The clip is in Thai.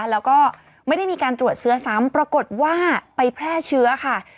แล้วก็ไม่ได้มีการตรวจเชื้อซ้ำปรากฏว่าไปแพร่เชื้อค่ะ